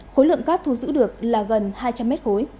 khối lượng cát thu giữ được là gần hai trăm linh m hai